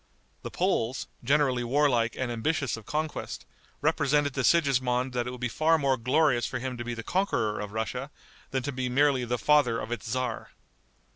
The Poles, generally warlike and ambitious of conquest, represented to Sigismond that it would be far more glorious for him to be the conqueror of Russia than to be merely the father of its tzar.